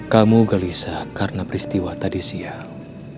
kamu gelisah karena peristiwa tadi siang